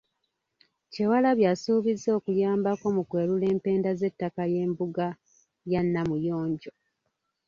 Kyewalabye asuubizza okuyambako mu kwerula empenda z'ettaka ly'embuga ya Namuyonjo.